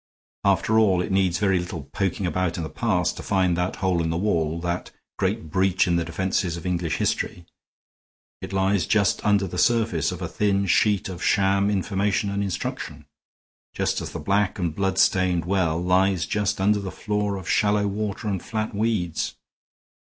After all, it needs very little poking about in the past to find that hole in the wall, that great breach in the defenses of English history. It lies just under the surface of a thin sheet of sham information and instruction, just as the black and blood stained well lies just under that floor of shallow water and flat weeds.